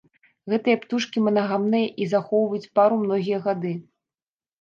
Гэтыя птушкі манагамныя і захоўваюць пару многія гады.